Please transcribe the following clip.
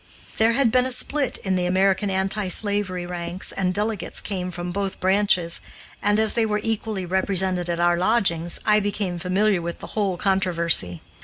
There had been a split in the American anti slavery ranks, and delegates came from both branches, and, as they were equally represented at our lodgings, I became familiar with the whole controversy.